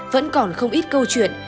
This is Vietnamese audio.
vẫn còn không ít câu chuyện